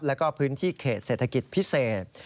แล้วก็พื้นที่เขตเศรษฐกิจพิเศษ